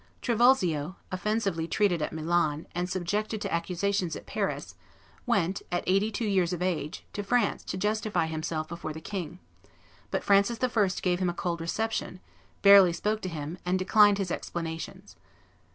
Trivulzio, offensively treated at Milan, and subjected to accusations at Paris, went, at eighty two years of age, to France to justify himself before the king; but Francis I. gave him a cold reception, barely spoke to him, and declined his explanations.